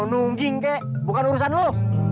nungking kek bukan urusan lo